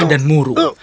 marah dan muruh